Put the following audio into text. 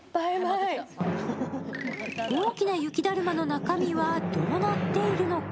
大きな雪だるまの中身はどうなっているのか？